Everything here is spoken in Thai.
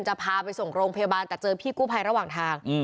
จะพาไปส่งโรงพยาบาลแต่เจอพี่กู้ภัยระหว่างทาง